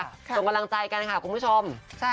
ส่งกำลังใจกันค่ะคุณผู้ชม